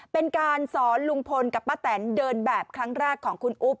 เป็นการสอนลุงพลกับป้าแตนเดินแบบครั้งแรกของคุณอุ๊บ